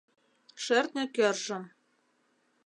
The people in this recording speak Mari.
Шӧртньӧ кӧржым